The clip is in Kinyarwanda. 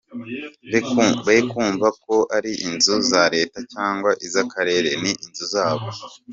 Be kumva ko ari inzu za leta cyangwa iz’akarere, ni inzu zabo.